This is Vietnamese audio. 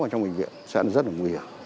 ở trong bệnh viện sẽ rất là nguy hiểm